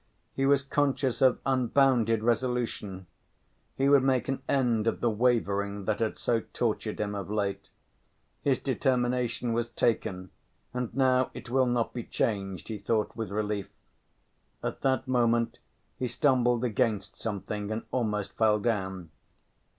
He was conscious of unbounded resolution; he would make an end of the wavering that had so tortured him of late. His determination was taken, "and now it will not be changed," he thought with relief. At that moment he stumbled against something and almost fell down.